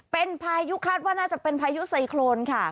เป็นพายุคาดว่าน่าจะเป็นพายุไซโครนค่ะ